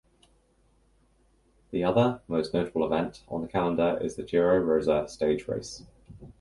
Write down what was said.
The other most notable event on the calendar is the Giro Rosa stage race.